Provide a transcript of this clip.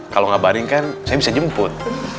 kalau ngabaring kan saya bisa jemput